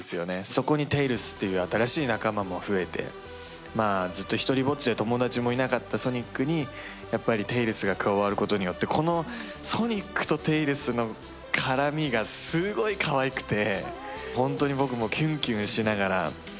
そこにテイルスという新しい仲間も増えて、ずっと独りぼっちで友達もいなかったソニックにテイルスが加わることによって、ソニックとテイルスの絡みがすごいかわいくて。